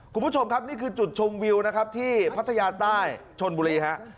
คุณผู้ชมครับนี่คือจุดชมวิวนะครับที่พัทยาใต้ชนบุรีฮะ